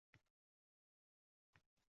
U odamning yuz-ko‘zi bor demaydi